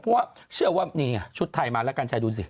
เพราะว่าเชื่อว่านี่ไงชุดไทยมาแล้วกันชัยดูสิ